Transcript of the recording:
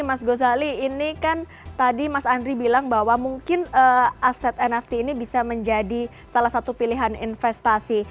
mas gozali ini kan tadi mas andri bilang bahwa mungkin aset nft ini bisa menjadi salah satu pilihan investasi